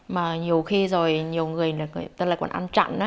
mà nhiều khi rồi nhiều người lại còn ăn chặn á